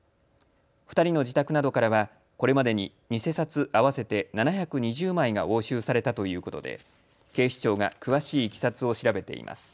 ２人の自宅などからはこれまでに偽札合わせて７２０枚が押収されたということで警視庁が詳しいいきさつを調べています。